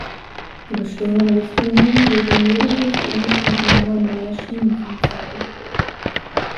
Die bestehenden Richtlinien regeln lediglich die Inbetriebnahme neuer Schienenfahrzeuge.